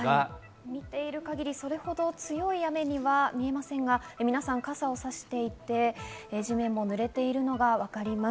見ている限り、それほど強い雨には見えませんが、皆さん、傘をさしていて、地面も濡れているのがわかります。